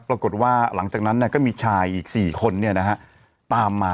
ปรากฏว่าหลังจากนั้นเนี้ยก็มีชายอีกสี่คนเนี้ยนะฮะตามมา